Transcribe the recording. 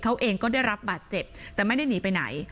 เขาเองก็ได้รับบาดเจ็บแต่ไม่ได้หนีไปไหน